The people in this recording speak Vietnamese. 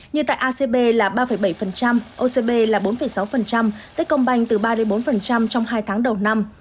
như tại acb là ba bảy ocb là bốn sáu tết công banh từ ba bốn trong hai tháng đầu năm